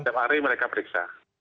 setiap hari mereka periksa